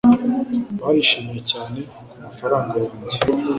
Barishimye cyane kumafaranga yanjye